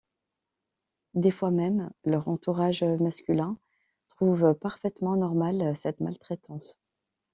Des fois même leur entourage masculin trouve parfaitement normal cette maltraitance.